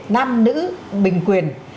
nam nữ bình quyền